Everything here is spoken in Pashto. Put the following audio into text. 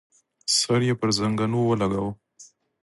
سر يې پر زنګنو ولګاوه.